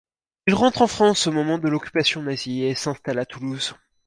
Il rentre en France au moment de l'occupation nazie et s'installe à Toulouse.